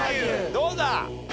どうだ？